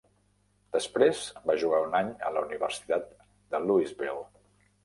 Després va jugar un any a la Universitat de Louisville.